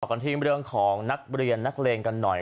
กันที่เรื่องของนักเรียนนักเลงกันหน่อย